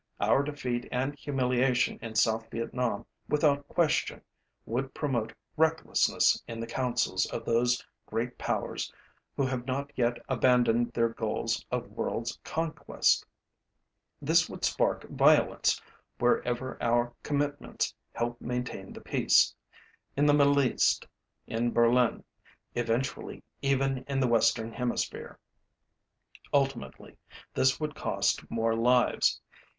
Our defeat and humiliation in South Vietnam without question would promote recklessness in the councils of those great powers who have not yet abandoned their goals of worlds conquest. This would spark violence wherever our commitments help maintain the peace in the Middle East, in Berlin, eventually even in the Western Hemisphere. Ultimately, this would cost more lives.